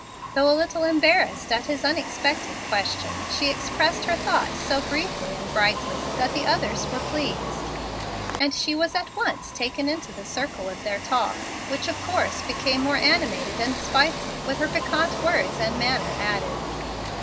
Though a little embarrassed at his unexpected question, she expressed her thought so briefly and brightly that the others were pleased, and she was at once taken into the circle of their talk, which of course became more animated and spicy with her piquant words and manner added.